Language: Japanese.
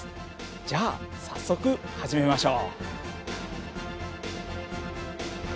じゃあ早速始めましょう。